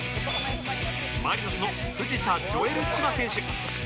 マリノスの藤田譲瑠チマ選手